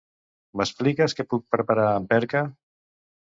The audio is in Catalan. M'expliques què puc preparar amb perca?